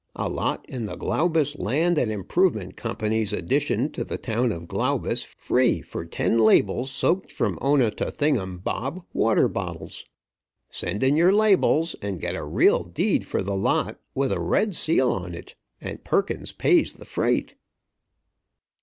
A lot in the Glaubus Land and Improvement Company's Addition to the town of Glaubus free for ten labels soaked from O no to thing um bob water bottles. Send in your labels, and get a real deed for the lot, with a red seal on it. And Perkins pays the freight!"